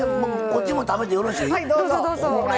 こっちも食べてよろしい？